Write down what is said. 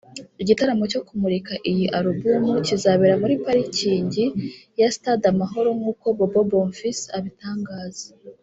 Igitaramo cyo kumurika iyi alubumu kizabera muri parikingi ya Stade amahoro nk’uko Bobo Bonfils abitangaza